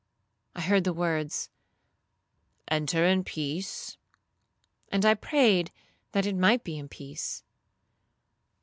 I heard the words, 'Enter in peace;' and I prayed that it might be in peace.